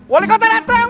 wali kota datang